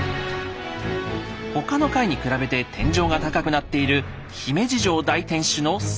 他の階に比べて天井が高くなっている姫路城大天守の３階。